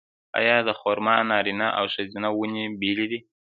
آیا د خرما نارینه او ښځینه ونې بیلې دي؟